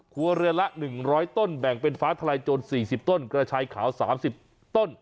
ครัวเรือนละ๑๐๐ต้นแบ่งเป็นฟ้าทลายโจร๔๐ต้นกระชายขาว๓๐ต้น